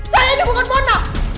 saya ini bukan mona